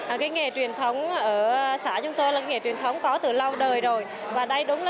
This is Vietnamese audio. cái nghề truyền thống ở xã chúng tôi là nghề truyền thống có từ lâu đời rồi và đây đúng là